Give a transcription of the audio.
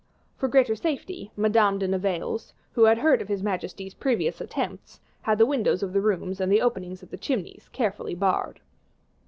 For greater safety, Madame de Navailles, who had heard of his majesty's previous attempts, had the windows of the rooms and the openings of the chimneys carefully barred.